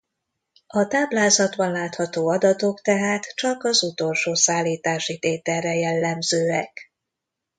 A táblázatban látható adatok tehát csak az utolsó szállítási tételre jellemzőek.